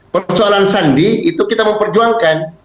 persoalan sandi itu kita memperjuangkan